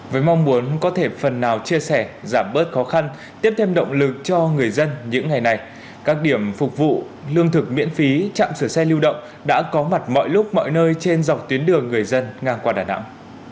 với mong muốn có thể phần nào chia sẻ giảm bớt khó khăn tiếp thêm động lực cho người dân những ngày này các điểm phục vụ lương thực miễn phí trạm sửa xe lưu động đã có mặt mọi lúc mọi nơi trên dọc tuyến đường người dân ngang qua đà nẵng